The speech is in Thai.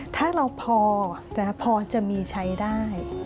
ถ้าเราพอจะมีใช้ได้